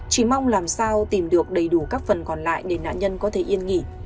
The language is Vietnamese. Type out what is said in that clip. chỉ mong làm sao tìm được đầy đủ các phần còn lại để nạn nhân có thể yên nghỉ